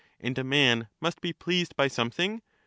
And a man must be pleased by something ?